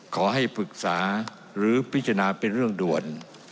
ขอให้ปรึกษาหรือพิจารณาเป็นเรื่องด่วน